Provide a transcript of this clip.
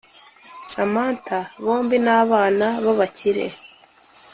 samantha bombi ni abana b’abakire